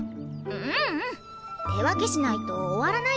ううん手分けしないと終わらないでしょ。